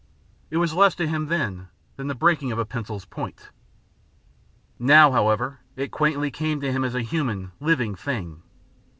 It was less to him than the breaking of a pencil's point. Now, however, it quaintly came to him as a human, living thing.